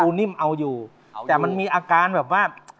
นิ่มเอาอยู่แต่มันมีอาการแบบว่า